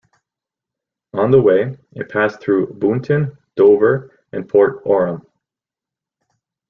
On the way, it passed through Boonton, Dover and Port Oram.